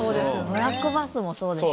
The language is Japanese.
ブラックバスもそうでしょ？